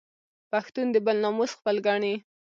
پښتون د بل ناموس خپل ګڼي